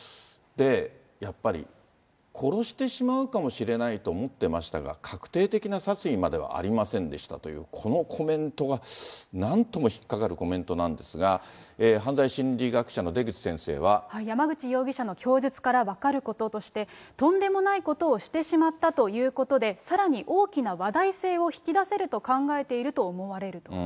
やっぱり、殺してしまうかもしれないと思っていましたが、確定的な殺意まではありませんでしたという、このコメントが、なんとも引っ掛かるコメントなんですが、犯罪心理学者の出口先生は。山口容疑者の供述から分かることとして、とんでもないことをしてしまったと言うことで、さらに大きな話題性を引き出せると考えていると思われると。